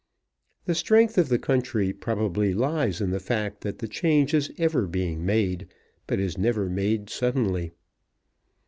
The strength of the country probably lies in the fact that the change is ever being made, but is never made suddenly.